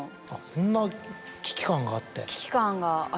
そんな危機感があって。